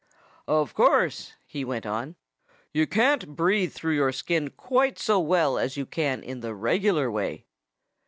"Of course," he went on, "you can't breathe through your skin quite so well as you can in the regular way.